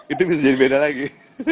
itu bisa jadi beda lagi